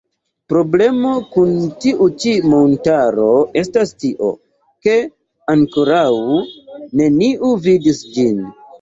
Problemo kun tiu ĉi montaro estas tio, ke ankoraŭ neniu vidis ĝin.